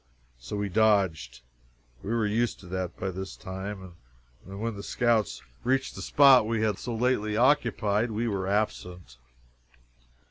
So we dodged we were used to that by this time and when the scouts reached the spot we had so lately occupied, we were absent.